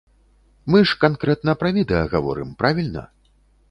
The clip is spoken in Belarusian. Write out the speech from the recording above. Мы ж канкрэтна пра відэа гаворым, правільна?